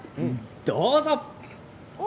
どうぞ！